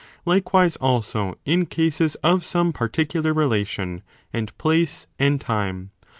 Likewise also in cases of some particular relation and place and time.